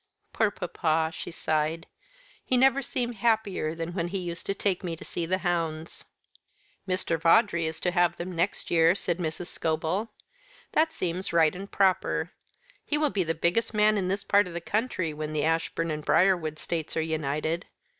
"Poor papa," she sighed. "He never seemed happier than when he used to take me to see the hounds." "Mr. Vawdrey is to have them next year," said Mrs. Scobel. "That seems right and proper. He will be the biggest man in this part of the country when the Ashbourne and Briarwood estates are united.